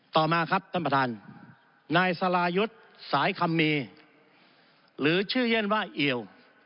ต่อมาครับท่านประธานนายสรายุทธ์สายคัมมีหรือชื่อเย็นว่าเอี่ยว